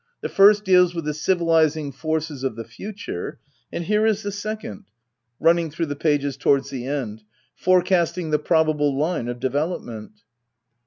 The first deals with the civilis ing forces of the future. And here is the second — [mnitsng through the pages towards the end] — fore casting the probable Ihie of development.